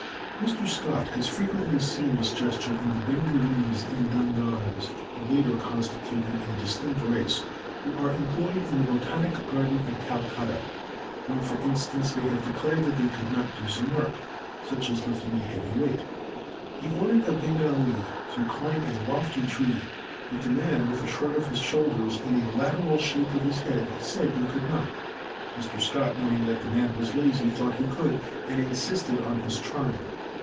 Mr. Scott has frequently seen this gesture in the Bengalees and Dhangars (the latter constituting a distinct race) who are employed in the Botanic Garden at Calcutta; when, for instance, they have declared that they could not do some work, such as lifting a heavy weight. He ordered a Bengalee to climb a lofty tree; but the man, with a shrug of his shoulders and a lateral shake of his head, said he could not. Mr. Scott knowing that the man was lazy, thought he could, and insisted on his trying.